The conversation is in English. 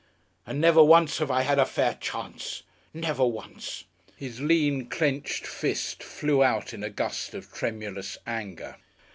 And never once have I had a fair chance, never once!" His lean, clenched fist flew out in a gust of tremulous anger.